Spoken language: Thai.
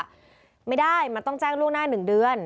ไม่ได้มันต้องแจ้งล่วงหน้า๑เดือน